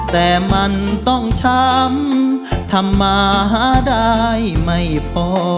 แต่มันต้องช้ำทำมาหาได้ไม่พอ